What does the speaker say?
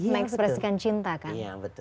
mengekspresikan cinta kan